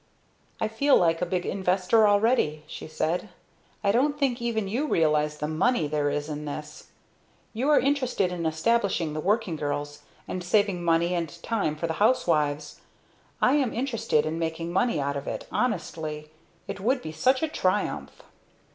"I feel like a big investor already," she said. "I don't think even you realize the money there is in this thing! You are interested in establishing the working girls, and saving money and time for the housewives. I am interested in making money out of it honestly! It would be such a triumph!"